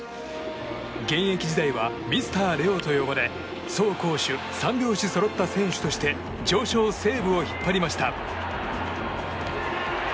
現役時代はミスターレオと呼ばれ走攻守、三拍子そろった選手として常勝西武を引っ張りました。